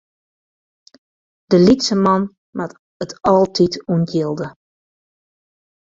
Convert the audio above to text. De lytse man moat it altyd ûntjilde.